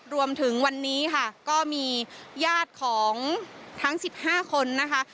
รวมถึงวันนี้ค่ะก็มีญาติของทั้ง๑๕คนนะคะ